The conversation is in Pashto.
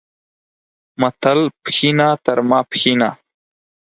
متل، پښینه تر ماپښینه